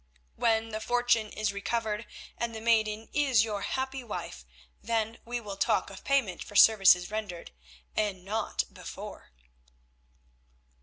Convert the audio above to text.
When the fortune is recovered and the maiden is your happy wife, then we will talk of payment for services rendered, and not before."